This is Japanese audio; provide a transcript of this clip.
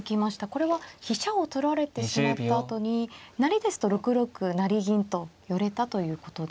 これは飛車を取られてしまったあとに成りですと６六成銀と寄れたということですか。